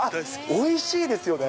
おいしいですよね。